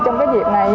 trong cái việc này